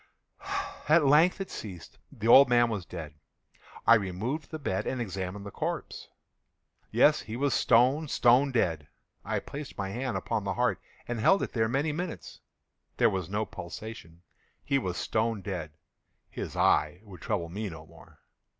At length it ceased. The old man was dead. I removed the bed and examined the corpse. Yes, he was stone, stone dead. I placed my hand upon the heart and held it there many minutes. There was no pulsation. He was stone dead. His eye would trouble me no more.